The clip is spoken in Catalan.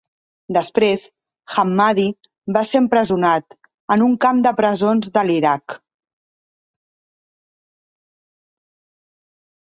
Després, Hammadi va ser empresonat en un camp de presons de l'Iraq.